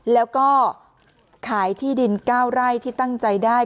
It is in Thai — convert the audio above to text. แล้วก็ขายที่ดิน๙ไร่ที่ตั้งใจได้